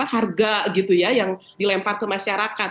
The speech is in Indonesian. harga gitu ya yang dilempar ke masyarakat